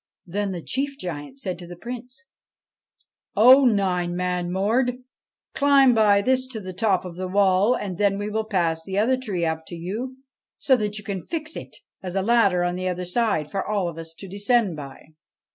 Then the chief giant said to the Prince: 'O Nine Man Mord, climb by this to the top of the wall, and then we will pass the other tree up to you so that you can fix it as a ladder on the other side for all of us to descend by.'